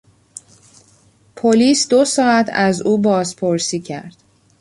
پلیس دو ساعت از او بازپرسی کرد.